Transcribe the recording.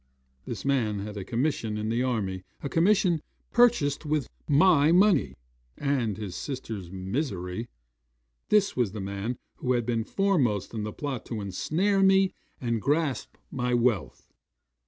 'This man had a commission in the army a commission, purchased with my money, and his sister's misery! This was the man who had been foremost in the plot to ensnare me, and grasp my wealth.